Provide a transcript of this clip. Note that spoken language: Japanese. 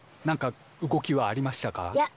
何か動きはありましたか？